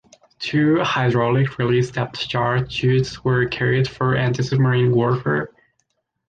Two hydraulic-release depth charge chutes were carried for anti-submarine warfare.